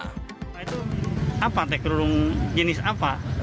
apa kerudung jenis apa